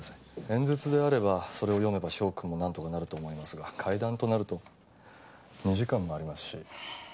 演説であればそれを読めば翔くんもなんとかなると思いますが会談となると２時間もありますし。